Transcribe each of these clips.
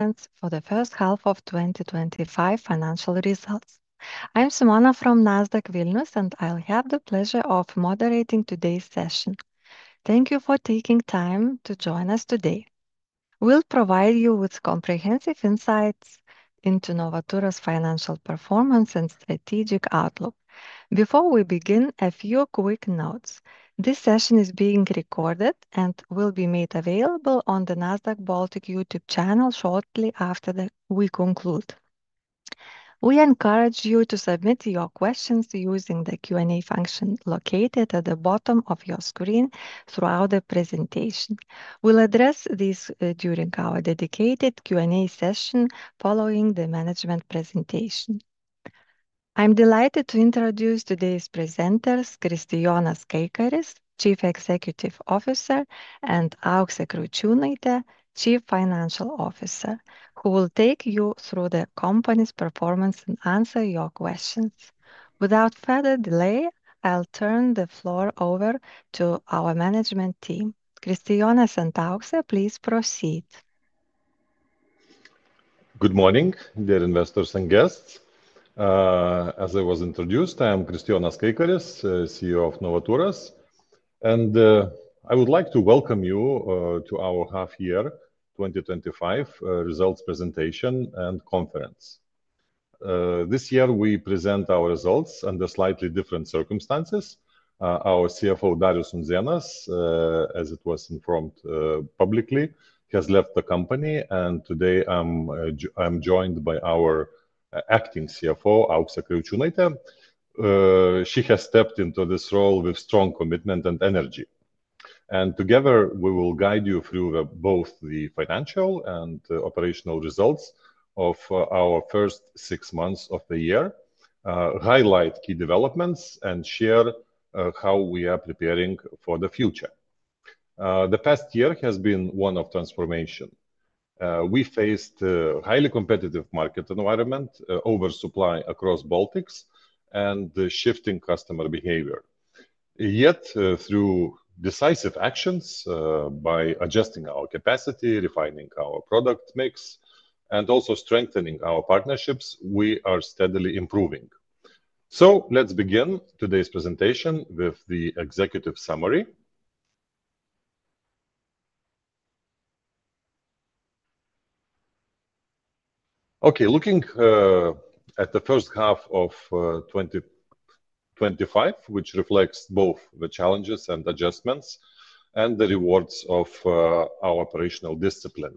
Present for the First Half of 2025 Financial Results. I'm Simona from Nasdaq Vilnius, and I'll have the pleasure of moderating today's session. Thank you for taking time to join us today. We'll provide you with comprehensive insights into Novaturas' financial performance and strategic outlook. Before we begin, a few quick notes. This session is being recorded and will be made available on the Nasdaq Baltic YouTube channel shortly after we conclude. We encourage you to submit your questions using the Q&A function located at the bottom of your screen throughout the presentation. We'll address these during our dedicated Q&A session following the management presentation. I'm delighted to introduce today's presenters, Kristijonas Kaikaris, Chief Executive Officer, and Auksė Kriaučiūnaitė, Chief Financial Officer, who will take you through the company's performance and answer your questions. Without further delay, I'll turn the floor over to our management team. Kristijonas and Auksė, please proceed. Good morning, dear investors and guests. As I was introduced, I am Kristijonas Kaikaris, CEO of Novaturas, and I would like to welcome you to our half-year 2025 results presentation and conference. This year, we present our results under slightly different circumstances. Our CFO, Darius Undzėnas, as it was informed publicly, has left the company, and today I'm joined by our Acting CFO, Auksė Kriaučiūnaitė. She has stepped into this role with strong commitment and energy. Together, we will guide you through both the financial and operational results of our first six months of the year, highlight key developments, and share how we are preparing for the future. The past year has been one of transformation. We faced a highly competitive market environment, oversupply across the Baltics, and shifting customer behavior. Yet, through decisive actions, by adjusting our capacity, refining our product mix, and also strengthening our partnerships, we are steadily improving. Let's begin today's presentation with the executive summary. Looking at the first half of 2025, which reflects both the challenges and adjustments, and the rewards of our operational discipline,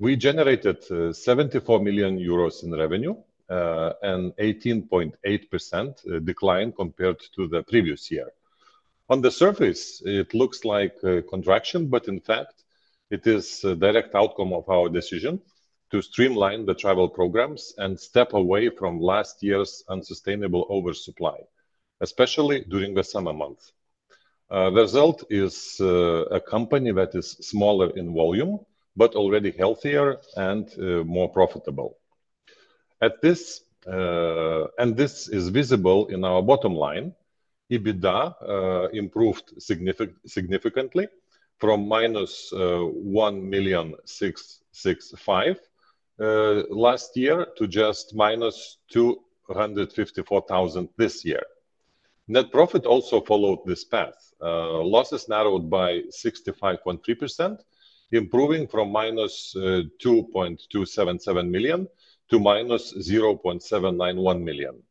we generated 74 million euros in revenue and an 18.8% decline compared to the previous year. On the surface, it looks like a contraction, but in fact, it is a direct outcome of our decision to streamline the travel programs and step away from last year's unsustainable oversupply, especially during the summer months. The result is a company that is smaller in volume, but already healthier and more profitable. This is visible in our bottom line. EBITDA improved significantly from -1,665,000 last year to just -254,000 this year. Net profit also followed this path. Losses narrowed by 65.3%, improving from -2.277 million to -0.791 million.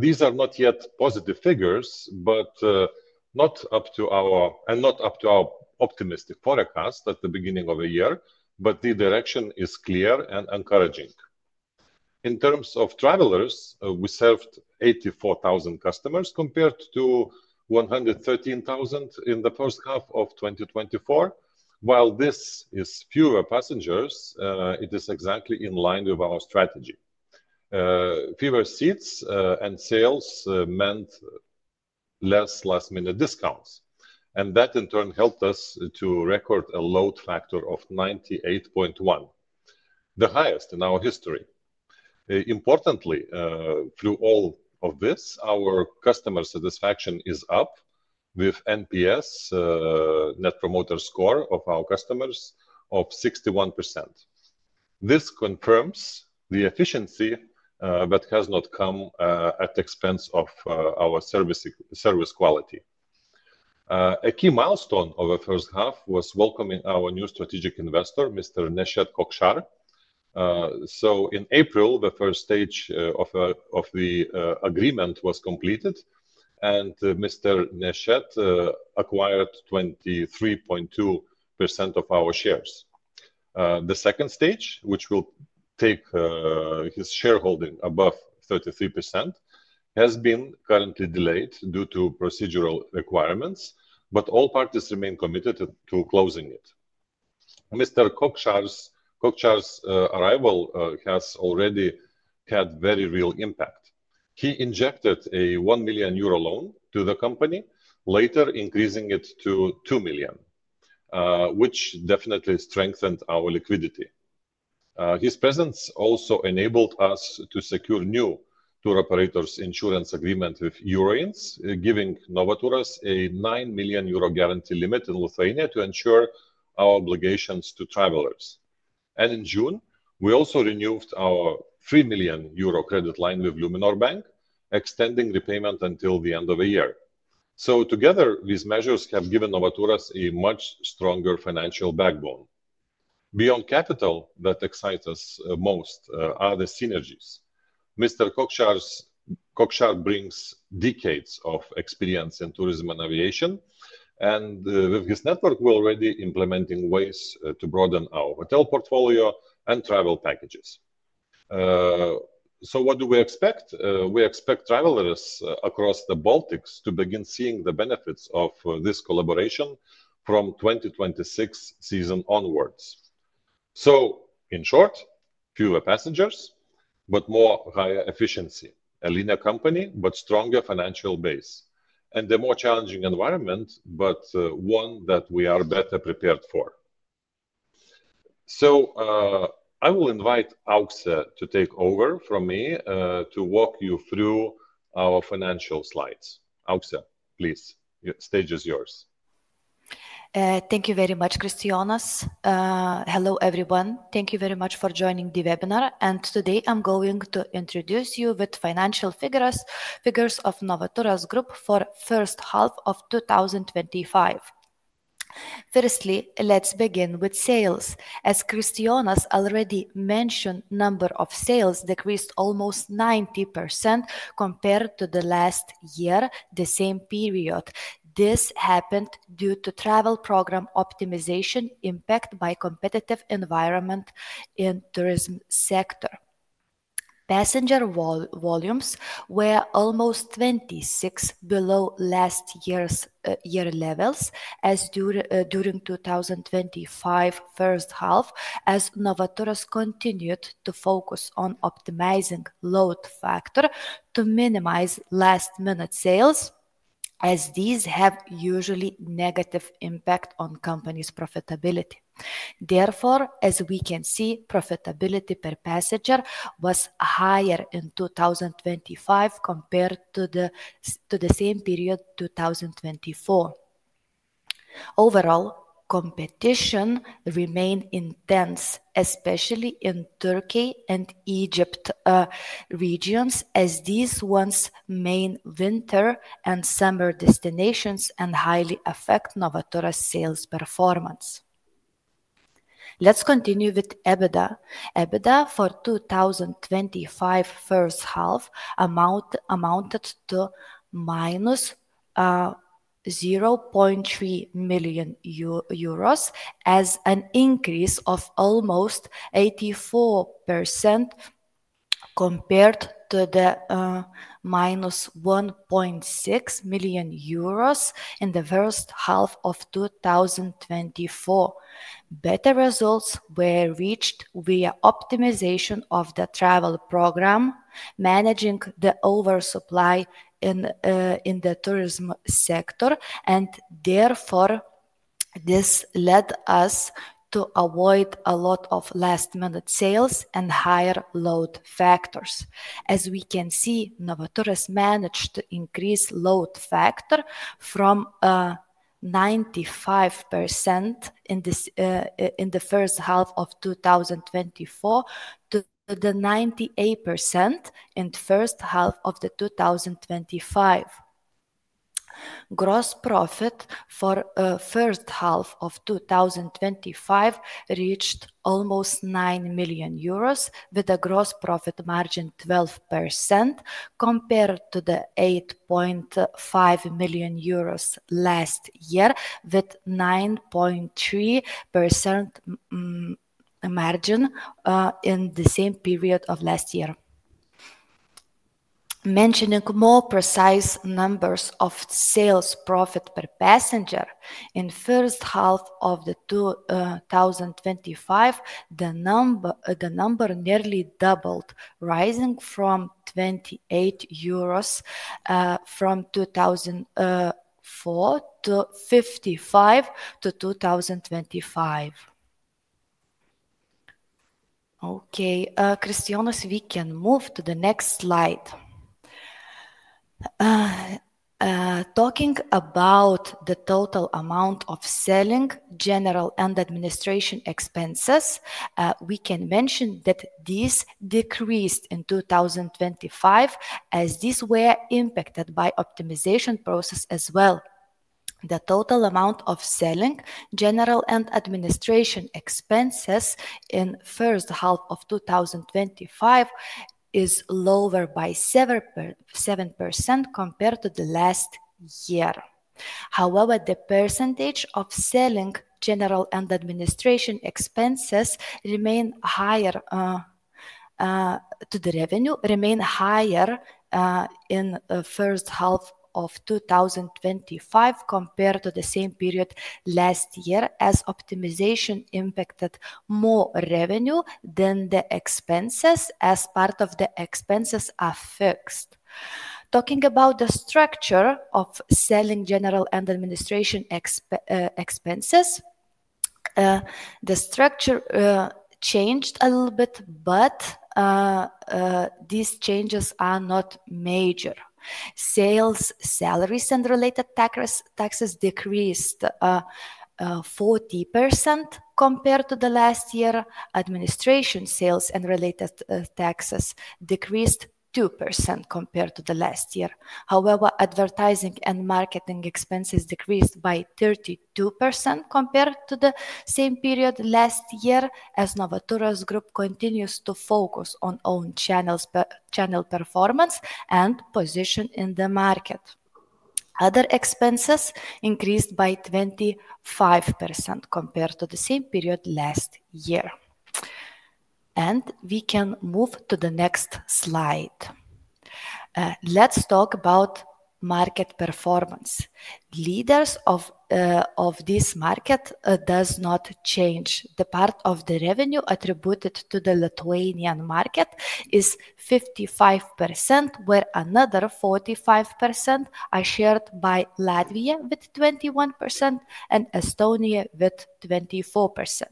These are not yet positive figures, not up to our optimistic forecast at the beginning of the year, but the direction is clear and encouraging. In terms of travelers, we served 84,000 customers compared to 113,000 in the first half of 2024. While this is fewer passengers, it is exactly in line with our strategy. Fewer seats and sales meant less last-minute discounts. That, in turn, helped us to record a load factor of 98.1%, the highest in our history. Importantly, through all of this, our customer satisfaction is up with NPS, Net Promoter Score of our customers, of 61%. This confirms the efficiency, but has not come at the expense of our service quality. A key milestone of our first half was welcoming our new strategic investor, Mr. Neset Kockar. In April, the first stage of the agreement was completed, and Mr. Neset acquired 23.2% of our shares. The second stage, which will take his shareholding above 33%, has been currently delayed due to procedural requirements, but all parties remain committed to closing it. Mr. Kockar's arrival has already had a very real impact. He injected a 1 million euro loan to the company, later increasing it to 2 million, which definitely strengthened our liquidity. His presence also enabled us to secure a new tour operator's insurance agreement with Euroins, giving Novaturas a 9 million euro guarantee limit in Lithuania to ensure our obligations to travelers. In June, we also renewed our 3 million euro credit line with Luminor Bank, extending repayment until the end of the year. Together, these measures have given Novaturas a much stronger financial backbone. Beyond capital, what excites us most are the synergies. Mr. Kockar brings decades of experience in tourism and aviation, and with his network, we're already implementing ways to broaden our hotel portfolio and travel packages. We expect travelers across the Baltics to begin seeing the benefits of this collaboration from the 2026 season onwards. In short, fewer passengers, but more higher efficiency, a leaner company, but stronger financial base, and a more challenging environment, but one that we are better prepared for. I will invite Auksė to take over from me to walk you through our financial slides. Auksė, please, the stage is yours. Thank you very much, Kristijonas. Hello everyone, thank you very much for joining the webinar, and today I'm going to introduce you with financial figures of Novaturas Group for the first half of 2025. Firstly, let's begin with sales. As Kristijonas already mentioned, the number of sales decreased almost 90% compared to the last year, the same period. This happened due to travel program optimization impacted by the competitive environment in the tourism sector. Passenger volumes were almost 26% below last year's levels during the 2025 first half, as Novaturas continued to focus on optimizing the load factor to minimize last-minute sales, as these have usually a negative impact on the company's profitability. Therefore, as we can see, profitability per passenger was higher in 2025 compared to the same period in 2024. Overall, competition remained intense, especially in the Turkey and Egypt regions, as these are the main winter and summer destinations and highly affect Novaturas' sales performance. Let's continue with EBITDA. EBITDA for the 2025 first half amounted to -0.3 million euros, as an increase of almost 84% compared to the -1.6 million euros in the first half of 2024. Better results were reached via optimization of the travel program, managing the oversupply in the tourism sector, and therefore, this led us to avoid a lot of last-minute sales and higher load factors. As we can see, Novaturas managed to increase the load factor from 95% in the first half of 2024 to 98% in the first half of 2025. Gross profit for the first half of 2025 reached almost 9 million euros, with a gross profit margin of 12% compared to the 8.5 million euros last year, with a 9.3% margin in the same period of last year. Mentioning more precise numbers of sales profit per passenger, in the first half of 2025, the number nearly doubled, rising from 28 euros in 2024 to 55 in 2025. Okay, Kristijonas, we can move to the next slide. Talking about the total amount of selling, general, and administration expenses, we can mention that these decreased in 2025, as these were impacted by the optimization process as well. The total amount of selling, general, and administration expenses in the first half of 2025 is lower by 7% compared to the last year. However, the percentage of selling, general, and administration expenses to the revenue remained higher in the first half of 2025 compared to the same period last year, as optimization impacted more revenue than the expenses, as part of the expenses are fixed. Talking about the structure of selling, general, and administration expenses, the structure changed a little bit, but these changes are not major. Sales salaries and related taxes decreased 40% compared to the last year. Administration sales and related taxes decreased 2% compared to the last year. However, advertising and marketing expenses decreased by 32% compared to the same period last year, as Novaturas Group continues to focus on own channel performance and position in the market. Other expenses increased by 25% compared to the same period last year. We can move to the next slide. Let's talk about market performance. Leaders of this market do not change. The part of the revenue attributed to the Lithuanian market is 55%, where another 45% are shared by Latvia with 21% and Estonia with 24%.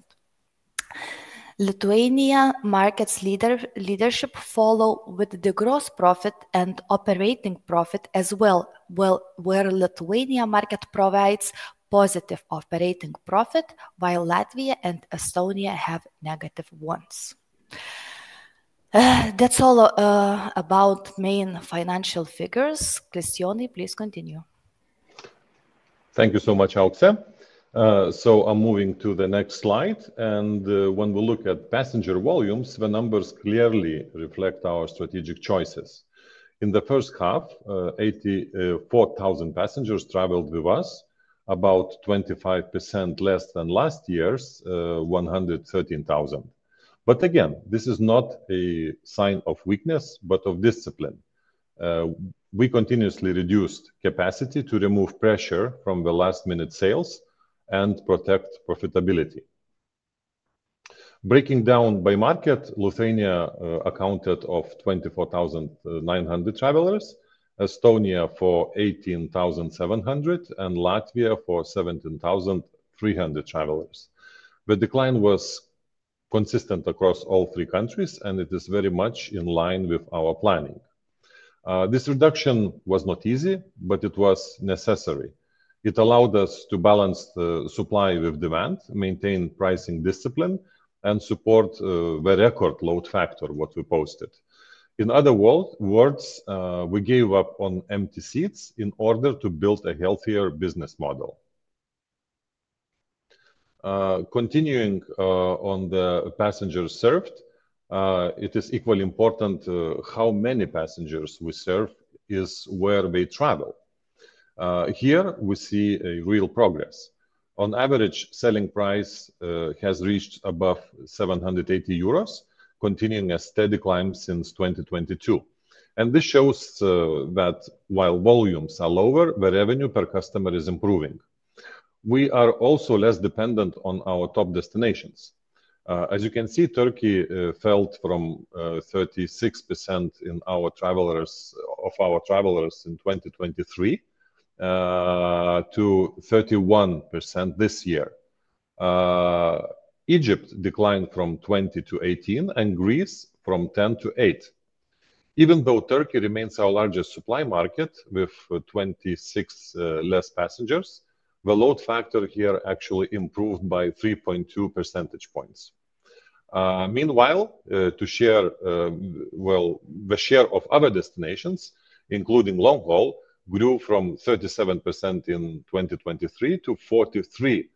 Lithuania market's leadership follows with the gross profit and operating profit as well, where the Lithuania market provides positive operating profit, while Latvia and Estonia have negative ones. That's all about the main financial figures. Kristijonas, please continue. Thank you so much, Auksė. I'm moving to the next slide, and when we look at passenger volumes, the numbers clearly reflect our strategic choices. In the first half, 84,000 passengers traveled with us, about 25% less than last year's 113,000 passengers. This is not a sign of weakness, but of discipline. We continuously reduced capacity to remove pressure from the last-minute sales and protect profitability. Breaking down by market, Lithuania accounted for 24,900 travelers, Estonia for 18,700 travelers, and Latvia for 17,300 travelers. The decline was consistent across all three countries, and it is very much in line with our planning. This reduction was not easy, but it was necessary. It allowed us to balance supply with demand, maintain pricing discipline, and support the record load factor we posted. In other words, we gave up on empty seats in order to build a healthier business model. Continuing on the passengers served, it is equally important how many passengers we serve is where they travel. Here, we see real progress. On average, the selling price has reached above 780 euros, continuing a steady climb since 2022. This shows that while volumes are lower, the revenue per customer is improving. We are also less dependent on our top destinations. As you can see, Turkey fell from 36% of our travelers in 2023 to 31% this year. Egypt declined from 20% to 18%, and Greece from 10% to 8%. Even though Turkey remains our largest supply market, with 26% less passengers, the load factor here actually improved by 3.2 percentage points. Meanwhile, the share of other destinations, including long-haul, grew from 37% in 2023 to 43%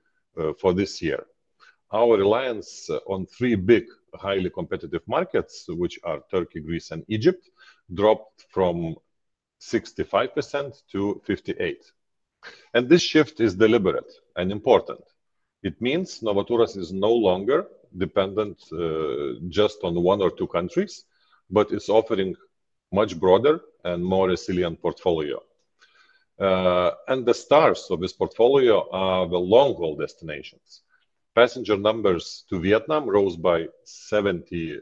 for this year. Our reliance on three big, highly competitive markets, which are Turkey, Greece, and Egypt, dropped from 65% to 58%. This shift is deliberate and important. It means Novaturas is no longer dependent just on one or two countries, but it's offering a much broader and more resilient portfolio. The stars of this portfolio are the long-haul destinations. Passenger numbers to Vietnam rose by 76%,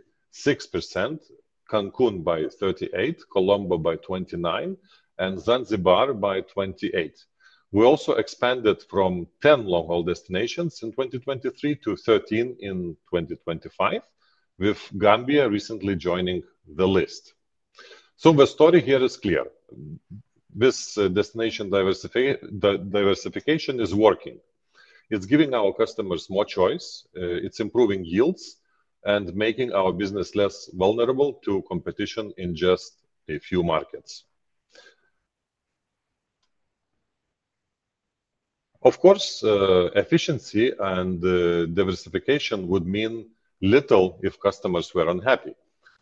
Cancun by 38%, Colombo by 29%, and Zanzibar by 28%. We also expanded from 10 long-haul destinations in 2023 to 13 in 2025, with Gambia recently joining the list. The story here is clear. This destination diversification is working. It's giving our customers more choice, it's improving yields, and making our business less vulnerable to competition in just a few markets. Of course, efficiency and diversification would mean little if customers were unhappy.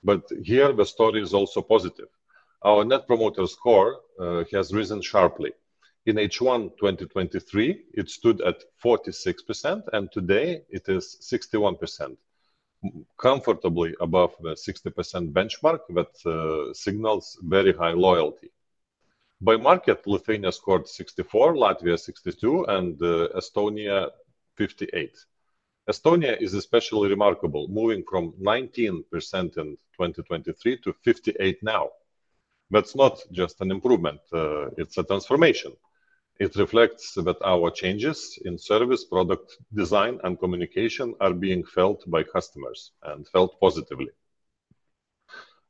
However, here, the story is also positive. Our Net Promoter Score has risen sharply. In H1 2023, it stood at 46%, and today it is 61%, comfortably above the 60% benchmark, which signals very high loyalty. By market, Lithuania scored 64, Latvia 62, and Estonia 58. Estonia is especially remarkable, moving from 19% in 2023 to 58% now. It is not just an improvement; it is a transformation. It reflects that our changes in service, product design, and communication are being felt by customers and felt positively.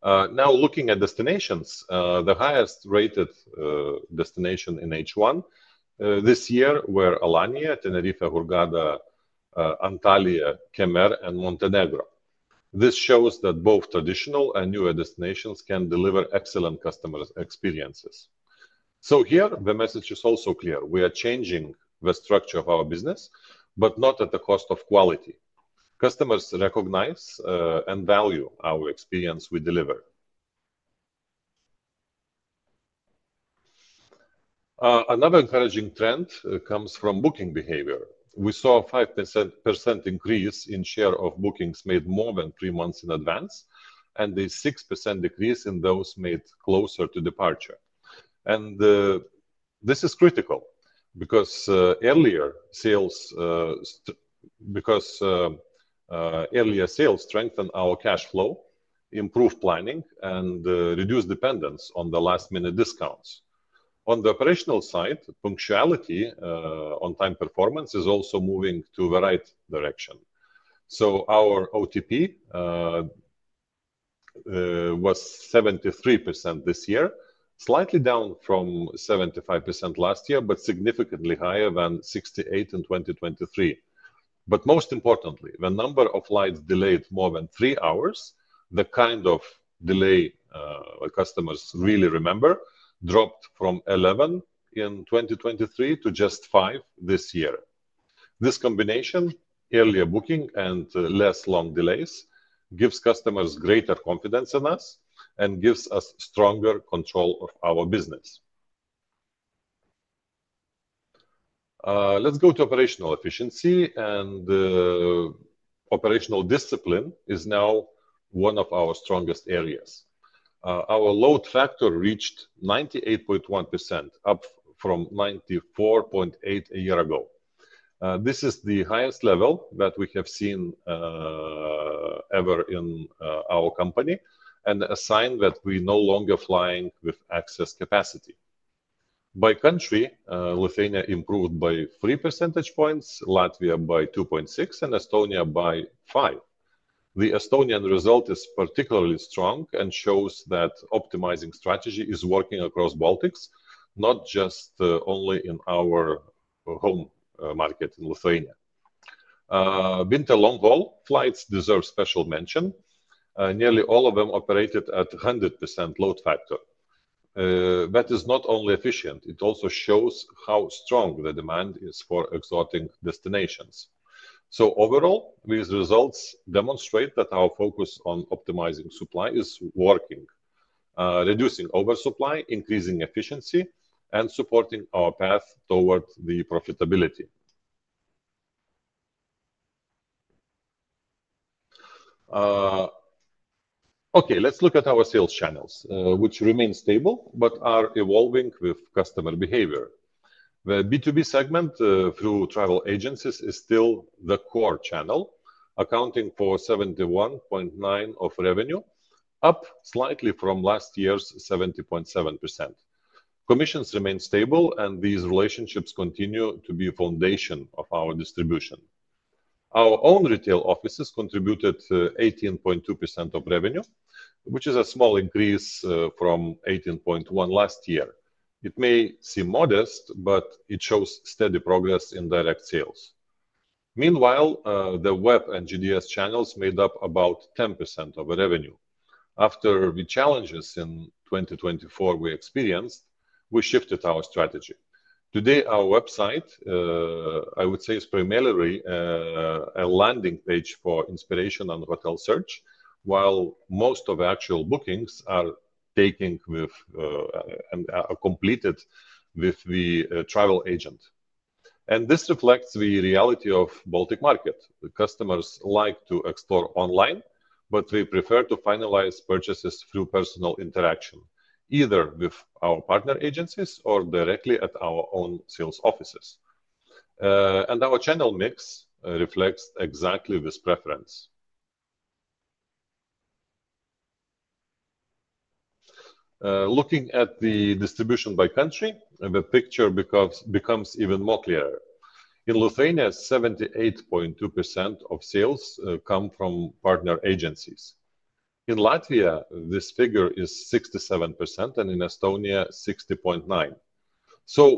Now, looking at destinations, the highest-rated destinations in H1 this year were Alanya, Tenerife, Hurghada, Antalya, Kemer, and Montenegro. This shows that both traditional and newer destinations can deliver excellent customer experiences. The message is also clear. We are changing the structure of our business, but not at the cost of quality. Customers recognize and value the experience we deliver. Another encouraging trend comes from booking behavior. We saw a 5% increase in share of bookings made more than three months in advance, and a 6% decrease in those made closer to departure. This is critical because earlier sales strengthened our cash flow, improved planning, and reduced dependence on last-minute discounts. On the operational side, punctuality on-time performance is also moving in the right direction. Our OTP was 73% this year, slightly down from 75% last year, but significantly higher than 68% in 2023. Most importantly, the number of flights delayed more than three hours, the kind of delay customers really remember, dropped from 11% in 2023 to just 5% this year. This combination, earlier booking and fewer long delays, gives customers greater confidence in us and gives us stronger control of our business. Let's go to operational efficiency, and operational discipline is now one of our strongest areas. Our load factor reached 98.1%, up from 94.8% a year ago. This is the highest level that we have seen ever in our company, and a sign that we are no longer flying with excess capacity. By country, Lithuania improved by 3 percentage points, Latvia by 2.6 percentage points, and Estonia by 5 percentage points. The Estonian result is particularly strong and shows that optimizing strategy is working across the Baltics, not just only in our home market in Lithuania. Winter long-haul flights deserve special mention. Nearly all of them operated at 100% load factor. That is not only efficient, it also shows how strong the demand is for exotic destinations. Overall, these results demonstrate that our focus on optimizing supply is working, reducing oversupply, increasing efficiency, and supporting our path toward profitability. Okay, let's look at our sales channels, which remain stable but are evolving with customer behavior. The B2B segment through travel agencies is still the core channel, accounting for 71.9% of revenue, up slightly from last year's 70.7%. Commissions remain stable, and these relationships continue to be a foundation of our distribution. Our own retail offices contributed 18.2% of revenue, which is a small increase from 18.1% last year. It may seem modest, but it shows steady progress in direct sales. Meanwhile, the web and GDS channels made up about 10% of revenue. After the challenges in 2024 we experienced, we shifted our strategy. Today, our website, I would say, is primarily a landing page for inspiration on hotel search, while most of the actual bookings are taken and completed with the travel agent. This reflects the reality of the Baltic market. Customers like to explore online, but we prefer to finalize purchases through personal interaction, either with our partner agencies or directly at our own sales offices. Our channel mix reflects exactly this preference. Looking at the distribution by country, the picture becomes even more clear. In Lithuania, 78.2% of sales come from partner agencies. In Latvia, this figure is 67%, and in Estonia, 60.9%.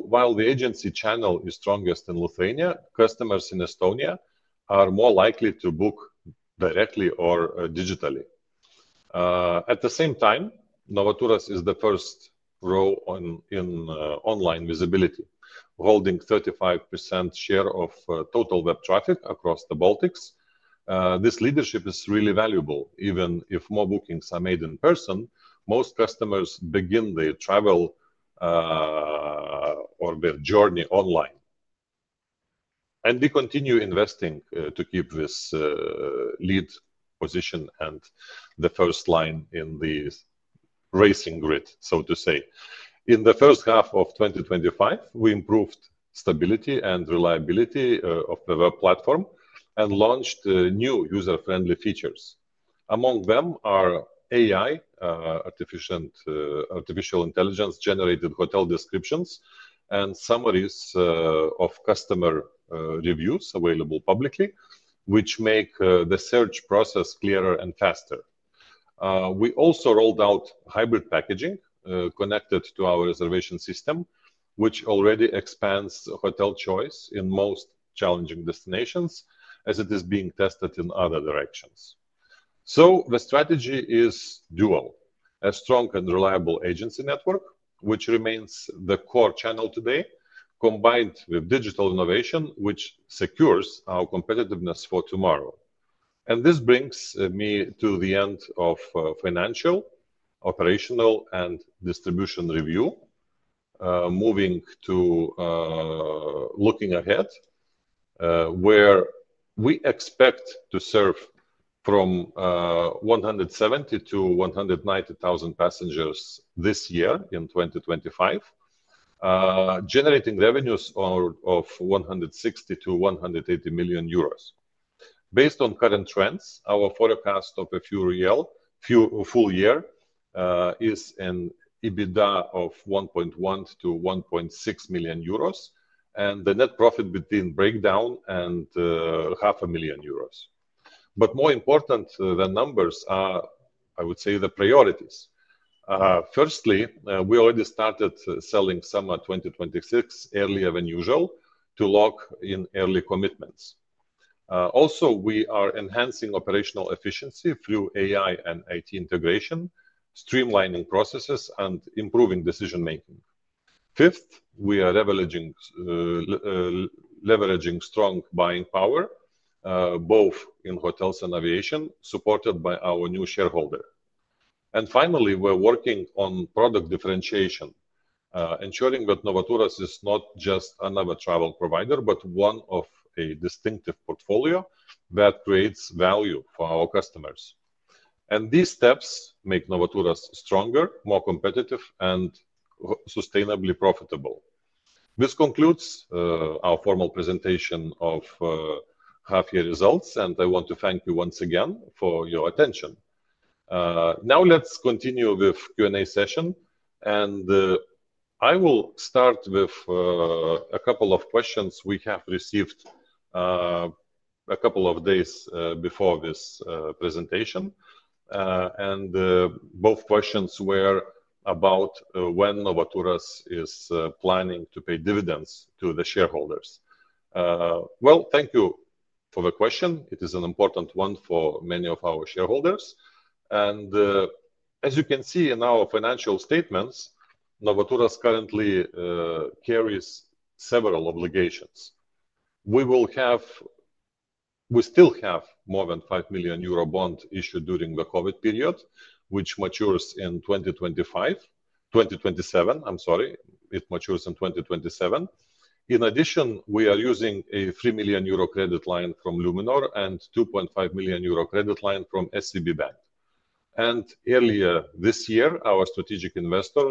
While the agency channel is strongest in Lithuania, customers in Estonia are more likely to book directly or digitally. At the same time, Novaturas is the first row in online visibility, holding a 35% share of total web traffic across the Baltics. This leadership is really valuable. Even if more bookings are made in person, most customers begin their travel or their journey online. We continue investing to keep this lead position and the first line in the racing grid, so to say. In the first half of 2025, we improved stability and reliability of the web platform and launched new user-friendly features. Among them are AI-driven features, artificial intelligence-generated hotel descriptions, and summaries of customer reviews available publicly, which make the search process clearer and faster. We also rolled out hybrid travel packaging connected to our reservation system, which already expands hotel choice in most challenging destinations, as it is being tested in other directions. The strategy is dual: a strong and reliable agency network, which remains the core channel today, combined with digital innovation, which secures our competitiveness for tomorrow. This brings me to the end of financial, operational, and distribution review, moving to looking ahead, where we expect to serve from 170,000 to 190,000 passengers this year in 2025, generating revenues of 160 million-180 million euros. Based on current trends, our forecast of a few full years is an EBITDA of 1.1 million-1.6 million euros, and the net profit between breakeven and 500,000 euros. More important than numbers are, I would say, the priorities. Firstly, we already started selling summer 2026 earlier than usual to lock in early commitments. Also, we are enhancing operational efficiency through AI and IT integration, streamlining processes, and improving decision-making. Fifth, we are leveraging strong buying power, both in hotels and aviation, supported by our new shareholder. Finally, we're working on product differentiation, ensuring that Novaturas is not just another travel provider, but one of a distinctive portfolio that creates value for our customers. These steps make Novaturas stronger, more competitive, and sustainably profitable. This concludes our formal presentation of half-year results, and I want to thank you once again for your attention. Now, let's continue with the Q&A session, and I will start with a couple of questions we have received a couple of days before this presentation. Both questions were about when Novaturas is planning to pay dividends to the shareholders. Thank you for the question. It is an important one for many of our shareholders. As you can see in our financial statements, Novaturas currently carries several obligations. We still have more than 5 million euro bonds issued during the COVID period, which matures in 2027. In addition, we are using a 3 million euro credit line from Luminor and a 2.5 million euro credit line from SCB Bank. Earlier this year, our strategic investor,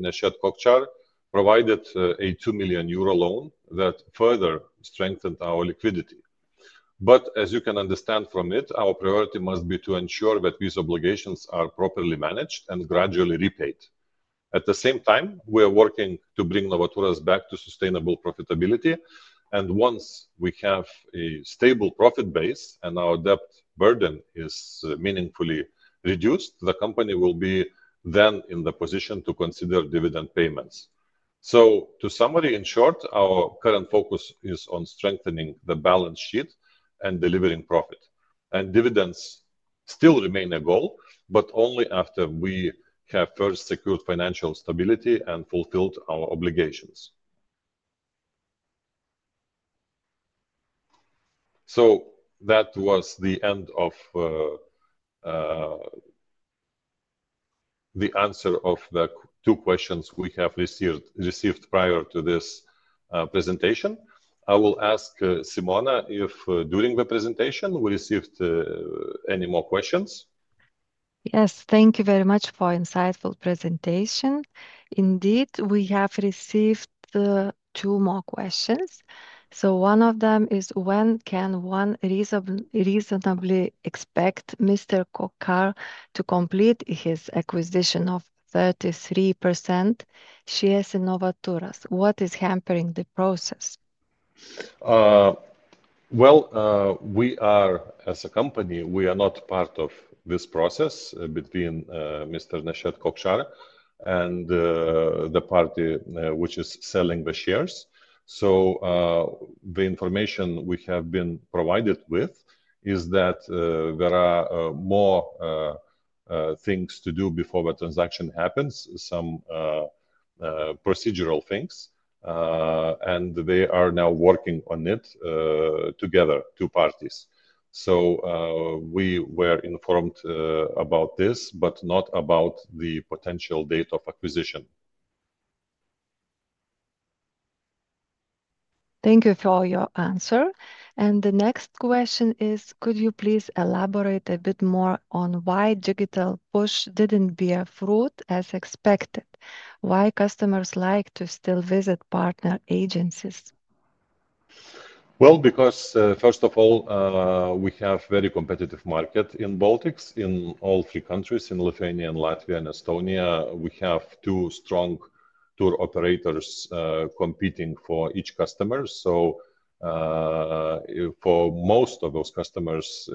Neset Kockar, provided a 2 million euro loan that further strengthened our liquidity. As you can understand from it, our priority must be to ensure that these obligations are properly managed and gradually repaid. At the same time, we are working to bring Novaturas back to sustainable profitability. Once we have a stable profit base and our debt burden is meaningfully reduced, the company will then be in the position to consider dividend payments. To summarize in short, our current focus is on strengthening the balance sheet and delivering profit. Dividends still remain a goal, but only after we have first secured financial stability and fulfilled our obligations. That was the end of the answer to the two questions we have received prior to this presentation. I will ask Simona if during the presentation we received any more questions. Yes, thank you very much for the insightful presentation. Indeed, we have received two more questions. One of them is, when can one reasonably expect Mr. Kockar to complete his acquisition of 33% shares in Novaturas? What is hampering the process? As a company, we are not part of this process between Mr. Neset Kockar and the party which is selling the shares. The information we have been provided with is that there are more things to do before the transaction happens, some procedural things, and they are now working on it together, two parties. We were informed about this, but not about the potential date of acquisition. Thank you for your answer. The next question is, could you please elaborate a bit more on why digital push didn't bear fruit as expected? Why do customers like to still visit partner agencies? First of all, we have a very competitive market in the Baltics, in all three countries, in Lithuania, Latvia, and Estonia. We have two strong tour operators competing for each customer. For most of those customers,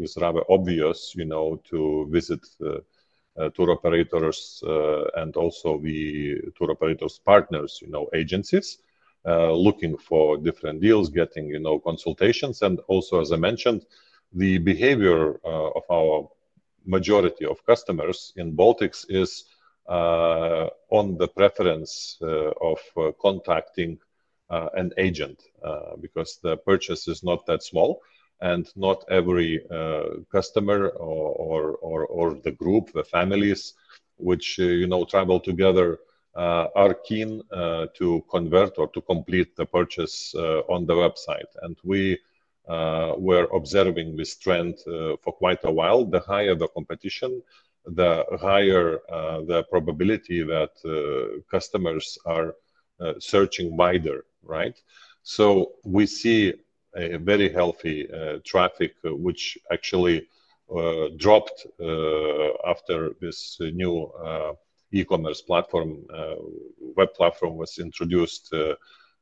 it's rather obvious to visit tour operators and also tour operators' partners, agencies, looking for different deals, getting consultations. As I mentioned, the behavior of our majority of customers in the Baltics is on the preference of contacting an agent because the purchase is not that small, and not every customer or the group, the families, which travel together, are keen to convert or to complete the purchase on the website. We were observing this trend for quite a while. The higher the competition, the higher the probability that customers are searching wider, right? We see a very healthy traffic, which actually dropped after this new e-commerce platform, web platform, was introduced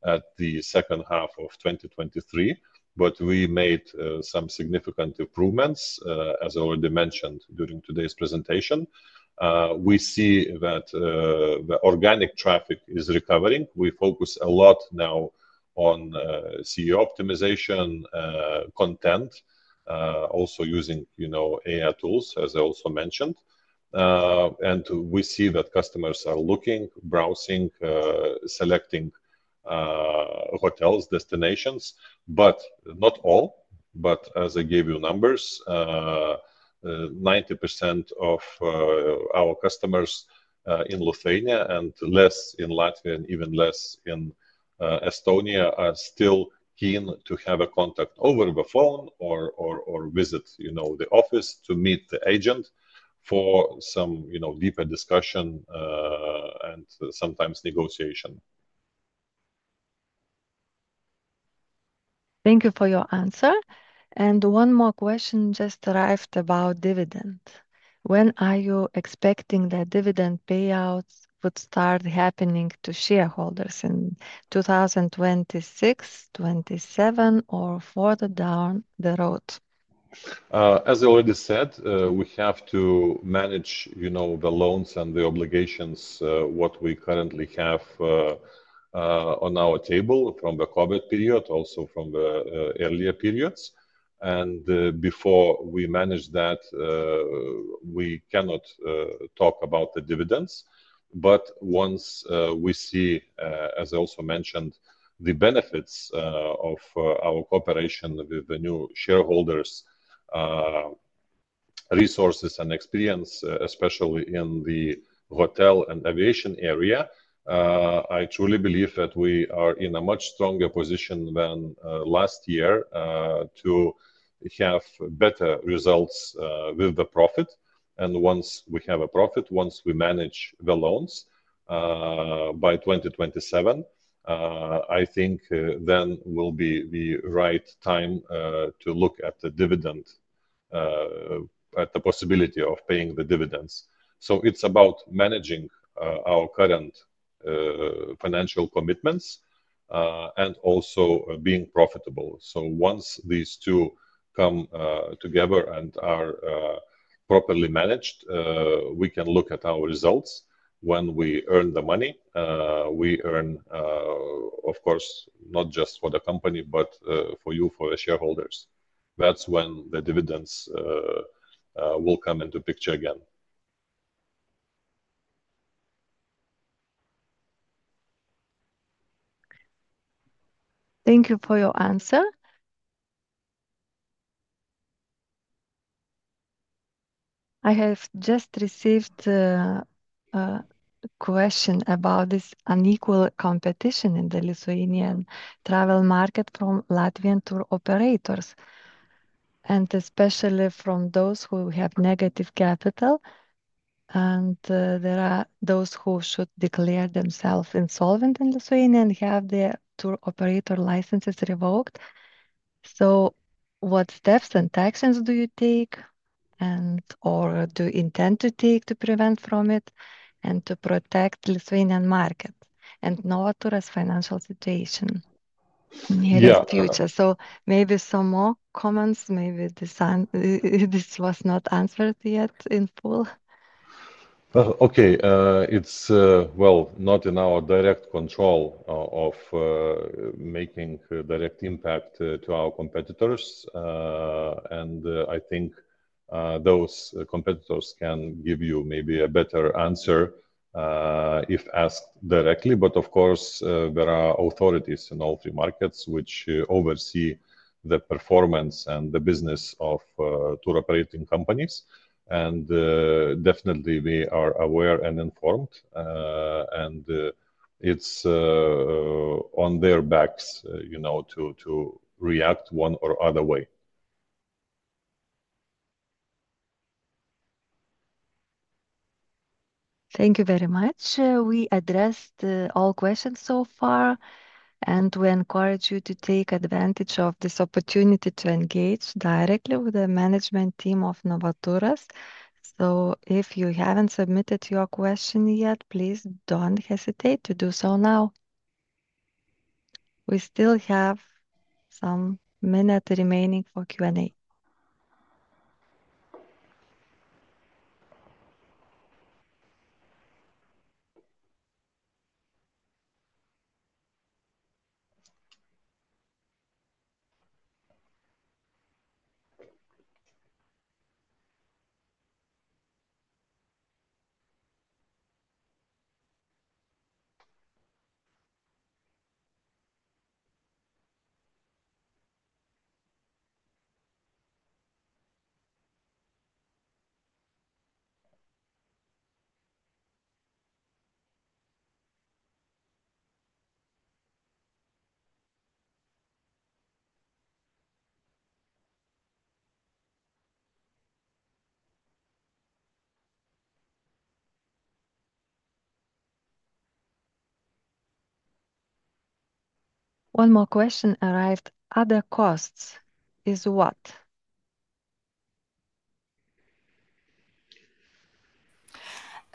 at the second half of 2023. We made some significant improvements, as I already mentioned during today's presentation. We see that the organic traffic is recovering. We focus a lot now on SEO optimization, content, also using AI tools, as I also mentioned. We see that customers are looking, browsing, selecting hotels, destinations, but not all. As I gave you numbers, 90% of our customers in Lithuania and less in Latvia and even less in Estonia are still keen to have a contact over the phone or visit the office to meet the agent for some deeper discussion and sometimes negotiation. Thank you for your answer. One more question just arrived about dividends. When are you expecting the dividend payouts to start happening to shareholders in 2026, 2027, or further down the road? As I already said, we have to manage the loans and the obligations, what we currently have on our table from the COVID period, also from the earlier periods. Before we manage that, we cannot talk about the dividends. Once we see, as I also mentioned, the benefits of our cooperation with the new shareholders, resources, and experience, especially in the hotel and aviation area, I truly believe that we are in a much stronger position than last year to have better results with the profit. Once we have a profit, once we manage the loans by 2027, I think then it will be the right time to look at the dividend, at the possibility of paying the dividends. It's about managing our current financial commitments and also being profitable. Once these two come together and are properly managed, we can look at our results when we earn the money. We earn, of course, not just for the company, but for you, for the shareholders. That's when the dividends will come into picture again. Thank you for your answer. I have just received a question about this unequal competition in the Lithuanian travel market from Latvian tour operators, especially from those who have negative capital. There are those who should declare themselves insolvent in Lithuania and have their tour operator licenses revoked. What steps and actions do you take, or do you intend to take, to prevent it and to protect the Lithuanian market and Novaturas' financial situation in the near future? Maybe some more comments, maybe this was not answered yet in full. Okay, it's not in our direct control of making direct impact to our competitors. I think those competitors can give you maybe a better answer if asked directly. Of course, there are authorities in all three markets which oversee the performance and the business of tour operating companies. They are definitely aware and informed, and it's on their backs, you know, to react one or the other way. Thank you very much. We addressed all questions so far, and we encourage you to take advantage of this opportunity to engage directly with the management team of Novaturas. If you haven't submitted your question yet, please don't hesitate to do so now. We still have some minutes remaining for Q&A. One more question arrived. Other costs is what?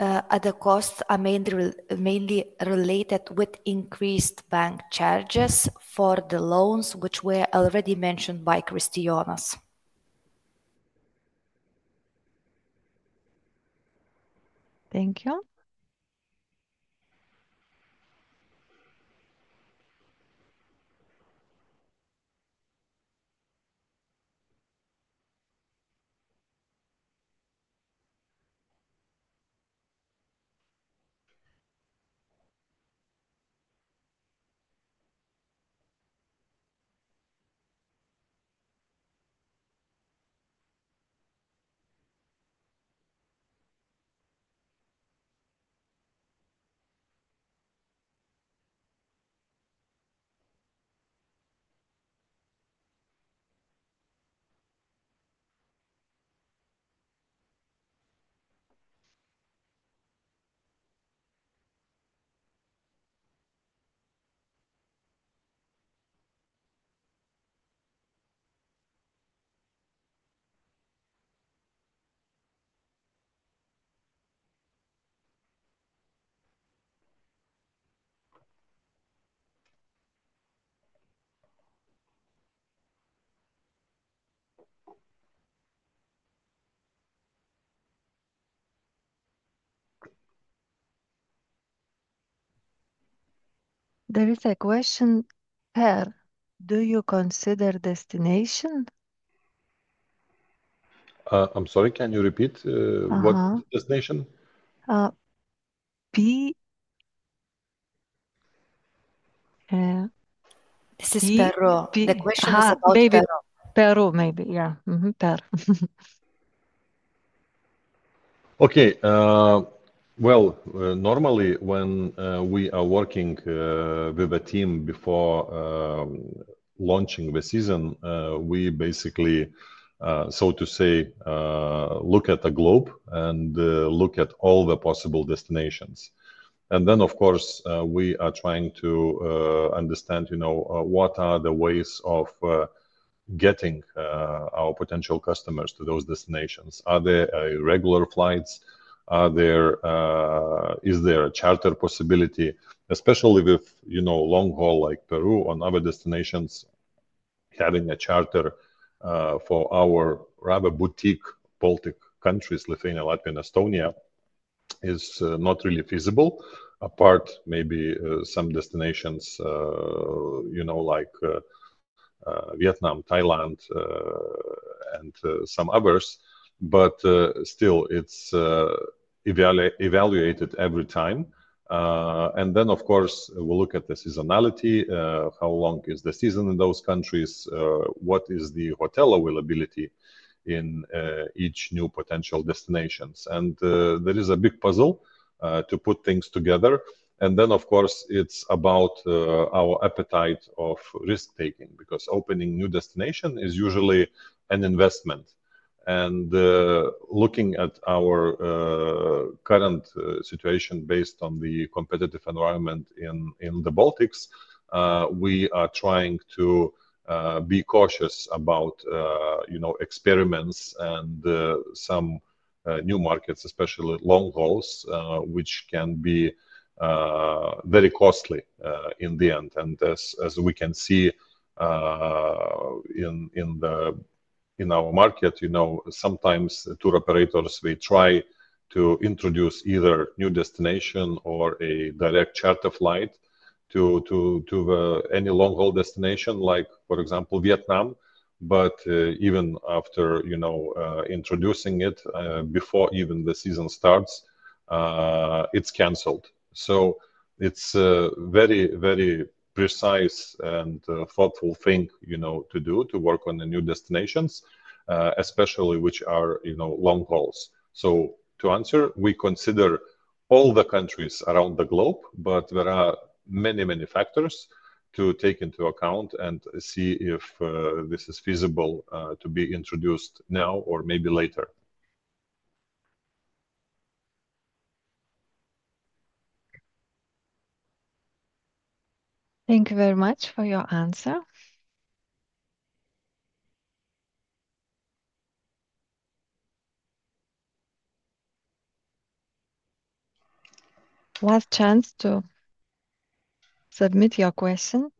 Other costs are mainly related to increased bank charges for the loans, which were already mentioned by Kristijonas. Thank you. There is a question here. Do you consider destination? I'm sorry, can you repeat what destination? P is Peru. The question is about Peru, maybe. Yeah, Peru. Okay. Normally, when we are working with a team before launching the season, we basically, so to say, look at the globe and look at all the possible destinations. Of course, we are trying to understand, you know, what are the ways of getting our potential customers to those destinations? Are they regular flights? Is there a charter possibility? Especially with, you know, long-haul like Peru or other destinations, having a charter for our rather boutique Baltic countries, Lithuania, Latvia, and Estonia, is not really feasible, apart maybe from some destinations, you know, like Vietnam, Thailand, and some others. Still, it's evaluated every time. Of course, we look at the seasonality. How long is the season in those countries? What is the hotel availability in each new potential destination? There is a big puzzle to put things together. Of course, it's about our appetite for risk-taking because opening a new destination is usually an investment. Looking at our current situation based on the competitive environment in the Baltics, we are trying to be cautious about, you know, experiments and some new markets, especially long-hauls, which can be very costly in the end. As we can see in our market, you know, sometimes tour operators try to introduce either a new destination or a direct charter flight to any long-haul destination, like, for example, Vietnam. Even after, you know, introducing it, before even the season starts, it's canceled. It's a very, very precise and thoughtful thing, you know, to do to work on the new destinations, especially which are, you know, long-hauls. To answer, we consider all the countries around the globe, but there are many, many factors to take into account and see if this is feasible to be introduced now or maybe later. Thank you very much for your answer. Last chance to submit your question.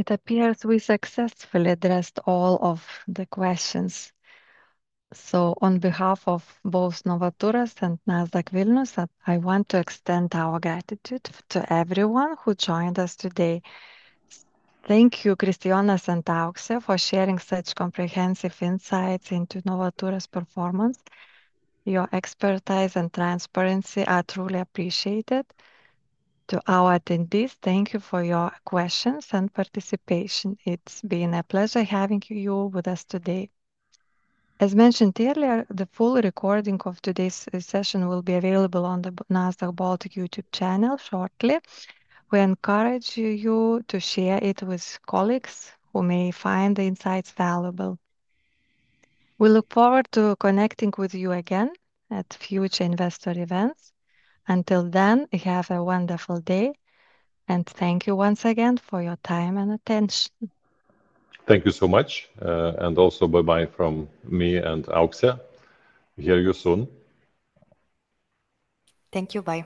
It appears we successfully addressed all of the questions. On behalf of both Novaturas and Nasdaq Vilnius, I want to extend our gratitude to everyone who joined us today. Thank you, Kristijonas and Auksė, for sharing such comprehensive insights into Novaturas's performance. Your expertise and transparency are truly appreciated. To our attendees, thank you for your questions and participation. It's been a pleasure having you with us today. As mentioned earlier, the full recording of today's session will be available on the Nasdaq Baltic YouTube channel shortly. We encourage you to share it with colleagues who may find the insights valuable. We look forward to connecting with you again at future investor events. Until then, have a wonderful day, and thank you once again for your time and attention. Thank you so much, and also bye-bye from me and Auksė. Hear you soon. Thank you, bye.